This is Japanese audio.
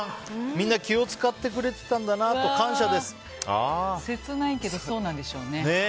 みんな気を使ってくれてたんだなと切ないけどそうなんでしょうね。